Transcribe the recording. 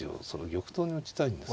玉頭に打ちたいんです。